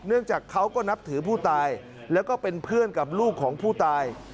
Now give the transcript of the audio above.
จากเขาก็นับถือผู้ตายแล้วก็เป็นเพื่อนกับลูกของผู้ตาย